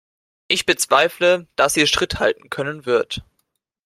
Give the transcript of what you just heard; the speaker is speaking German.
Ich bezweifle, dass sie Schritt halten können wird.